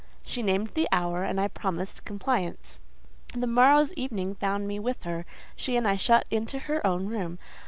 She named the hour, and I promised compliance. The morrow's evening found me with her—she and I shut into her own room.